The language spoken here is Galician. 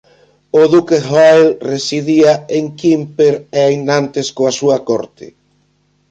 O duque Hoel residía en Quimper e en Nantes coa súa corte.